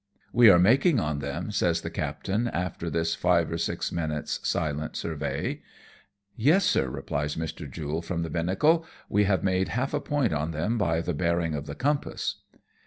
" We are making on them," says the captain, after this five or six minutes' silent survey. " Yes, sir," replies Mr. Jule from the binnacle, " we have made half a point on them by the bearing of the compass."